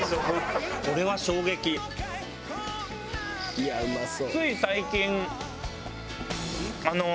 「いやあうまそう」